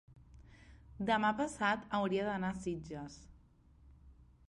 demà passat hauria d'anar a Sitges.